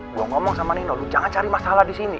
gue ngomong sama nino lu jangan cari masalah disini